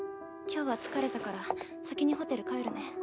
今日は疲れたから先にホテル帰るね。